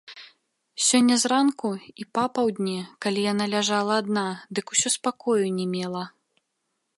Сёння зранку і папаўдні, калі яна ляжала адна, дык усё спакою не мела.